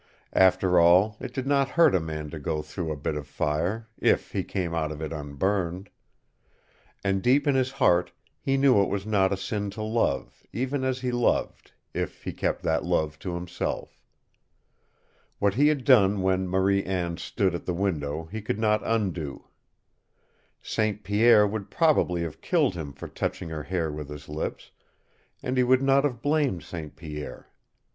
After all, it did not hurt a man to go through a bit of fire if he came out of it unburned. And deep in his heart he knew it was not a sin to love, even as he loved, if he kept that love to himself. What he had done when Marie Anne stood at the window he could not undo. St. Pierre would probably have killed him for touching her hair with his lips, and he would not have blamed St. Pierre.